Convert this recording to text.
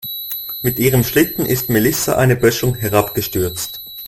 Mit ihrem Schlitten ist Melissa eine Böschung herabgestürzt.